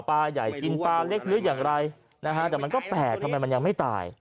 ปลาใหญ่กินปลาเล็กหรืออย่างไรนะฮะแต่มันก็แปลกทำไมมันยังไม่ตาย